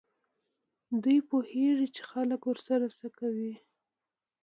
دوی پوهېږي چې خلک ورسره څه کوي.